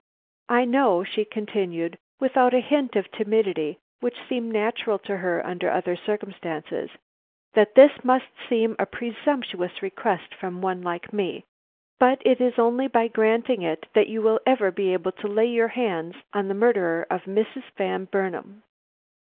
"I know," she continued, without a hint of the timidity which seemed natural to her under other circumstances, "that this must seem a presumptuous request from one like me, but it is only by granting it that you will ever be able to lay your hand on the murderer of Mrs. Van Burnam.